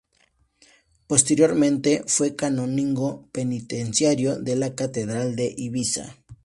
Posteriormente fue canónigo penitenciario de la Catedral de Ibiza.